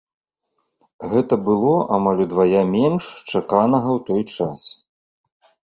Гэта было амаль удвая менш чаканага ў той час.